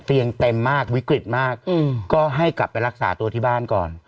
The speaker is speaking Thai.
เตียงเต็มมากวิกฤตมากก็ให้กลับไปรักษาตัวที่บ้านก่อน